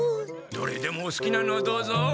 どれでもおすきなのをどうぞ。